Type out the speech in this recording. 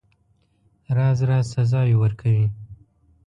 راز راز سزاوي ورکوي.